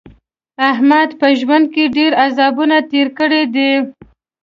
احمد په ژوند کې ډېر عذابونه تېر کړي دي.